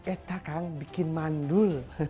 eh tak kang bikin mandul